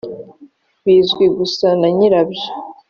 bizwi gusa na nyirabyo